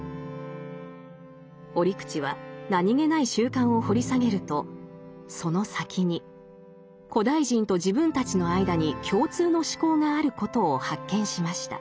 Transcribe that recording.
折口は何気ない習慣を掘り下げるとその先に古代人と自分たちの間に共通の思考があることを発見しました。